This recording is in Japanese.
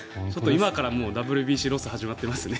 今からＷＢＣロス始まってますね。